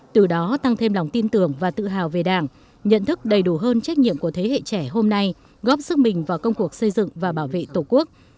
từ đó tăng thêm lòng tin tưởng và tự hào về đảng nhận thức đầy đủ hơn trách nhiệm của thế hệ trẻ hôm nay góp sức mình vào công cuộc xây dựng và bảo vệ tổ quốc